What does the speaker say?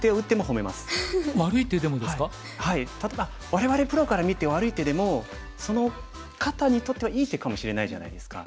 我々プロから見て悪い手でもその方にとってはいい手かもしれないじゃないですか。